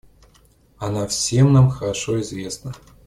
Она всем нам хорошо известна.